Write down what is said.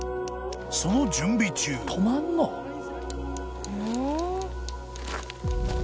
［その準備中］いい。